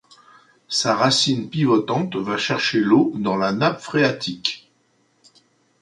Sa racine pivotante va chercher l'eau dans la nappe phréatique.